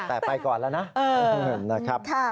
แต่ไปก่อนแล้วนะนะครับ